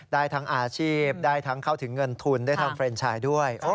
ได้ทั้งอาชีพได้ทั้งเข้าถึงเงินทุนได้ทั้งเฟรนชายด้วย